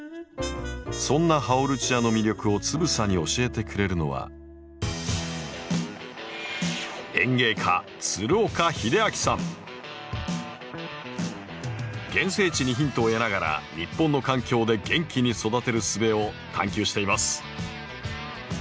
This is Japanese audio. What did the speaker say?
そんなハオルチアの魅力をつぶさに教えてくれるのは原生地にヒントを得ながら日本の環境で元気に育てるすべを探求しています。